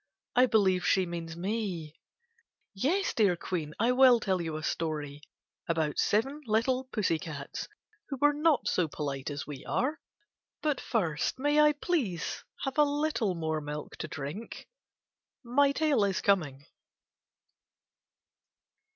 I believe she means me. Yes, dear Queen, I will tell you a story about seven little pussy cats who were not so polite as we are. But first may I please have a little more milk to drink? (My tale is coming.)